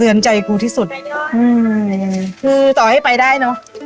เออต่อให้ไปได้เนอะ